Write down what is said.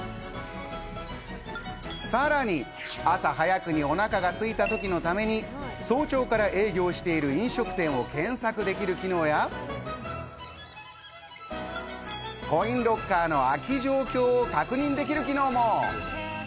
さらに朝早くにお腹がすいたときのために、早朝から営業している飲食店を検索できる機能や、コインロッカーの空き状況を確認できる機能も。